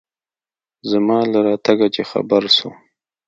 زما له راتگه چې خبر سو.